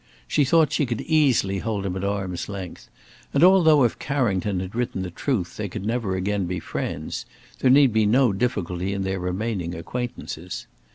She thought she could easily hold him at arm's length, and although, if Carrington had written the truth, they could never again be friends, there need be no difficulty in their remaining acquaintances.